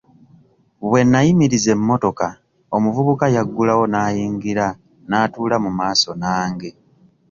Bwe nnayimiriza emmotoka omuvubuka yaggulawo n'ayingira n'atuula mu maaso nange.